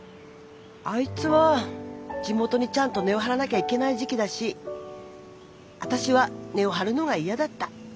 あいつは地元にちゃんと根を張らなきゃいけない時期だし私は根を張るのが嫌だった。